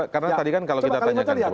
coba kalian mencari ya